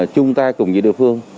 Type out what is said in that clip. chung tay cùng với địa phương